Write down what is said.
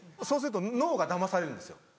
そうすると脳がだまされるんですよ。